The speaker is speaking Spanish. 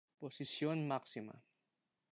Posición Máxima